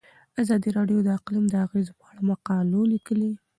ازادي راډیو د اقلیم د اغیزو په اړه مقالو لیکلي.